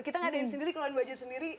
kita ngadain sendiri keluarin budget sendiri